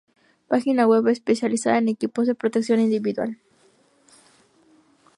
Página web especializada en equipos de protección individual.